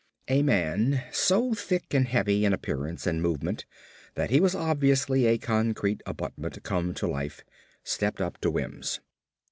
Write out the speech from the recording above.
A man, so thick and heavy in appearance and movement that he was obviously a concrete abutment come to life, stepped up to Wims.